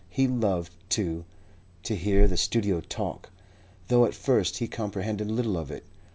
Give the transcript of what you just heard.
He loved, too, to hear the studio talk, though at first he comprehended little of it.